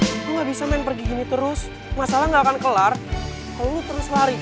lo gak bisa main pergi gini terus masalah gak akan kelar kalau lo terus lari